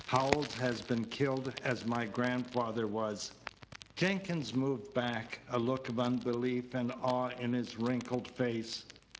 "Howells has been killed as my grandfather was." Jenkins moved back, a look of unbelief and awe in his wrinkled face.